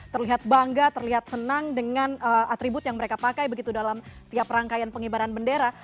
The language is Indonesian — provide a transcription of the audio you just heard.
terlihat bangga terlihat senang dengan atribut yang mereka pakai begitu dalam tiap rangkaian pengibaran bendera